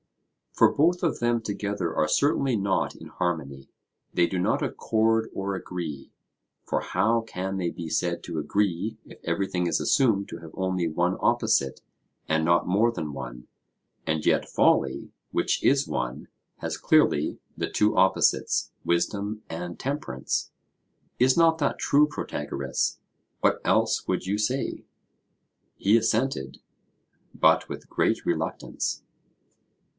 For both of them together are certainly not in harmony; they do not accord or agree: for how can they be said to agree if everything is assumed to have only one opposite and not more than one, and yet folly, which is one, has clearly the two opposites wisdom and temperance? Is not that true, Protagoras? What else would you say? He assented, but with great reluctance.